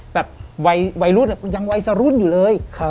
แบบวัยรุ่นยังวัยสรุ่นอยู่เลย